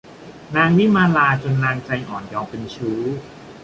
นางวิมาลาจนนางใจอ่อนยอมเป็นชู้